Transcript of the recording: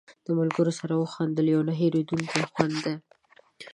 د ملګرو سره وخندل یو نه هېرېدونکی خوند لري.